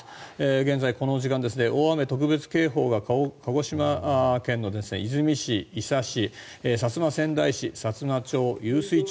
現在この時間、大雨特別警報が鹿児島県の出水市、伊佐市薩摩川内市、さつま町、湧水町。